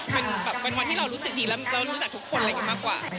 เป็นแบบเป็นวันที่เรารู้สึกดีแล้วเรารู้จักทุกคนอะไรอย่างนี้มากกว่า